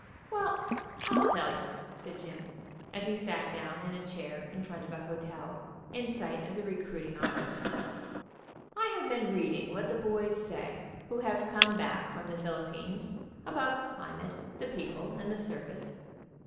"Well, I'll tell you," said Jim, as he sat down in a chair in front of a hotel, in sight of the recruiting office. "I have been reading what the boys say who have come back from the Philippines, about the cli mate, the people, and the service.